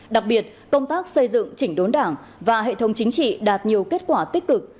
đặc biệt công tác xây dựng chỉnh đốn đảng và hệ thống chính trị đạt nhiều kết quả tích cực